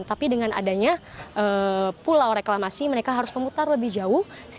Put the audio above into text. tapi dengan adanya pulau reklamasi mereka harus memutar lebih jauh